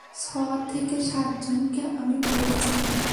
ছ থেকে সাত জনকে আমি বলেছি।